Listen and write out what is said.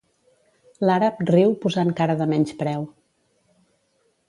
L'àrab riu posant cara de menyspreu.